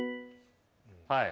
はい。